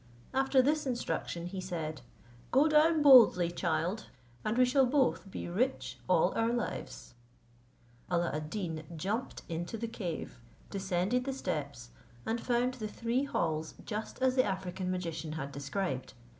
After this instruction he said, "Go down boldly, child, and we shall both be rich all our lives." Alla ad Deen jumped into the cave, descended the steps, and found the three halls just as the African magician had described.